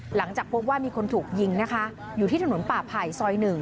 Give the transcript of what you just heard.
หลังจากพบว่ามีคนถูกยิงนะคะอยู่ที่ถนนป่าไผ่ซอย๑